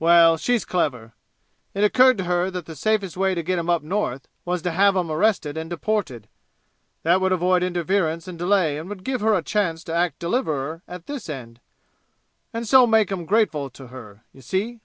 "Well she's clever. It occurred to her that the safest way to get 'em up North was to have 'em arrested and deported. That would avoid interference and delay and would give her a chance to act deliverer at this end, and so make 'em grateful to her you see?